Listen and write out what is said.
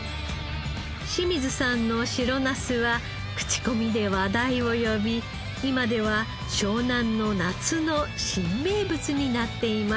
清水さんの白ナスは口コミで話題を呼び今では湘南の夏の新名物になっています。